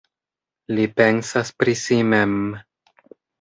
Li pensas pri si mem.